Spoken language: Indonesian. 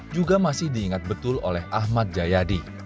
juga masih diingat betul oleh ahmad jayadi